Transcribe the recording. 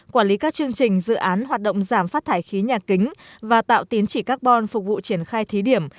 quản lý các chương trình dự án hoạt động giảm phát thải khí nhà kính và tạo tín chỉ carbon phục vụ triển khai thí điểm